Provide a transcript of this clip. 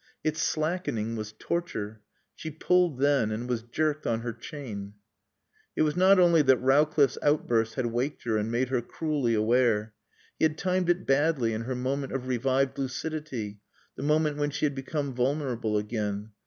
Its slackening was torture. She pulled then, and was jerked on her chain. It was not only that Rowcliffe's outburst had waked her and made her cruelly aware. He had timed it badly, in her moment of revived lucidity, the moment when she had become vulnerable again.